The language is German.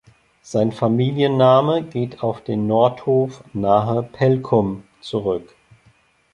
Sein Familienname geht auf den Nordhof nahe Pelkum zurück.